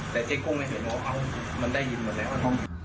แต่เจ๊กุ้งแกเห็นมันได้ยินหมดแล้วนะ